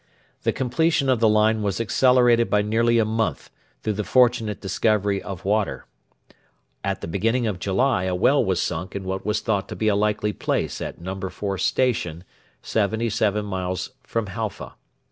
The completion of the line was accelerated by nearly a month through the fortunate discovery of water. At the beginning of July a well was sunk in what was thought to be a likely place at 'No. 4 Station,' seventy seven miles from Halfa.